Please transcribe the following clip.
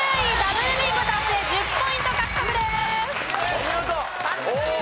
お見事！